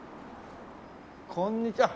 こんにちは。